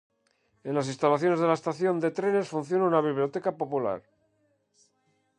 En las instalaciones de la Estación de trenes funciona una biblioteca popular.